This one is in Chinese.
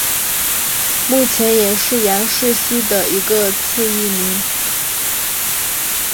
目前也是杨氏蜥的一个次异名。